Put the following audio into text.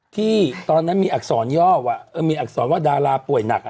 ที่ตอนนั้นมีอักษรย่อมีอักษรว่าดาราป่วยหนัก